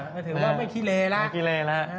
ก็ถือว่าไม่คิเลละ